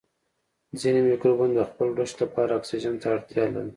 ځینې مکروبونه د خپل رشد لپاره اکسیجن ته اړتیا لري.